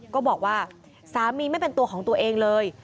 ก็บอกว่าสามีไม่เป็นตัวของตัวเองเลย